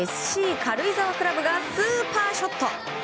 軽井沢クラブがスーパーショット！